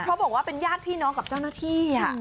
เพราะบอกว่าเป็นญาติพี่น้องกับเจ้าหน้าที่